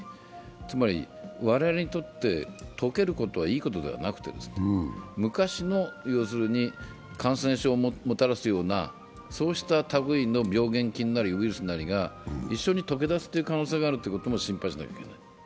つまり、我々にとって解けることはいいことではなくて昔の感染症をもたらすような、そうしたたぐいの病原菌なりウイルスが一緒に解け出す可能性があることも心配しないといけない。